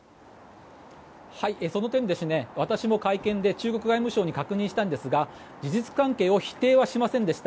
その点、私も会見で中国外務省に確認しましたが事実関係を否定はしませんでした。